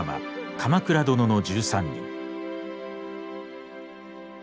「鎌倉殿の１３人」。